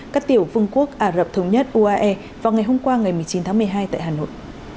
các tiểu vương quốc ả rập thống nhất uae vào ngày hôm qua ngày một mươi chín tháng một mươi hai tại hà nội